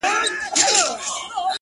غلطۍ کي مي د خپل حسن بازار مات کړی دی،